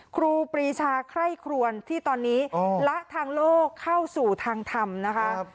ครูปรีชาไคร่ครวนที่ตอนนี้ละทางโลกเข้าสู่ทางธรรมนะคะ